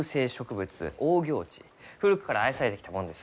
古くから愛されてきたもんです。